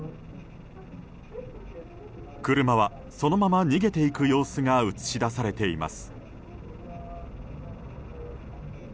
車はそのまま逃げていく様子が映し出されています。